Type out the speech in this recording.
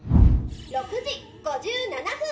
６時５７分。